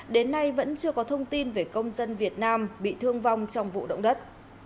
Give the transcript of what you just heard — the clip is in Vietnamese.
đến nay vẫn chưa có thông tin về công dân việt nam bị thương vong trong vụ động đất